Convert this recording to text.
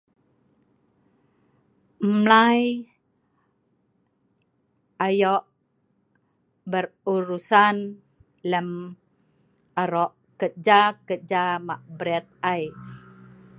mlai ayok berurusan lem arok kerja kerja ma bret ai